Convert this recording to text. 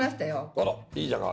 あらいいじゃない。